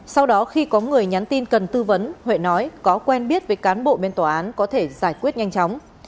sau đó khi có người nhắn tin cần tư vấn huệ nói có quen biết với cán bộ bên tòa án có thể giải quyết nhanh chóng